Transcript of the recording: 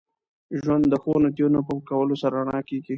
ژوند د ښو نیتونو په کولو سره رڼا کېږي.